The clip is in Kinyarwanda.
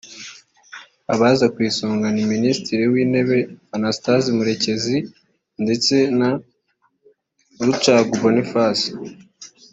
Abaza ku isonga ni Minisitiri w’intebe Anastaze Murekezi ndetse na Rucagu Boniface